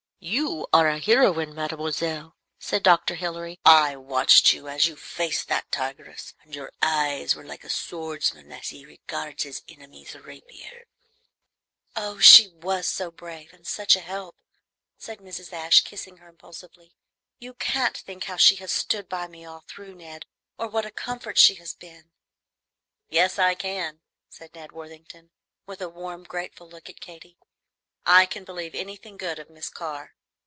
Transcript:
"You are a hee roine, mademoiselle," said Dr. Hilary. "I watched you as you faced that tigress, and your eyes were like a swordsman's as he regards his enemy's rapier." "Oh, she was so brave, and such a help!" said Mrs. Ashe, kissing her impulsively. "You can't think how she has stood by me all through, Ned, or what a comfort she has been." "Yes, I can," said Ned Worthington, with a warm, grateful look at Katy. "I can believe anything good of Miss Carr."